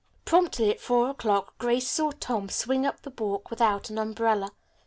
Promptly at four o'clock Grace saw Tom swing up the walk without an umbrella.